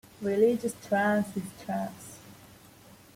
Religious trance is trance.